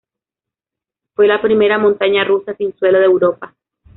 Fue la primera montaña rusa sin suelo de Europa.